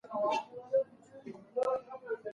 ثمر ګل په خپل زړه کې د زوی د راتلونکي لپاره دعا وکړه.